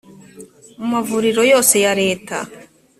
mu mavuriro yose ya leta